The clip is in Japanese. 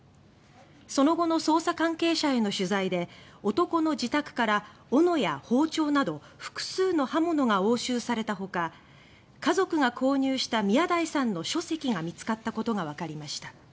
その後の捜査関係者への取材で男の自宅から斧や包丁など複数の刃物が押収されたほか家族が購入した宮台さんの書籍が見つかったことがわかりました。